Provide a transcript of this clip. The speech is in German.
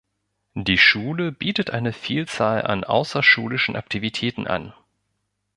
Die Schule bietet eine Vielzahl an außerschulischen Aktivitäten an.